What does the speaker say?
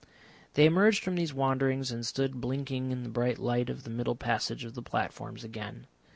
They emerged from these wanderings and stood blinking in the bright light of the middle passage of the platforms again.